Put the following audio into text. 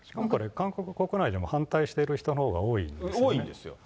韓国国内でも反対してる人のほうが多いんですよね。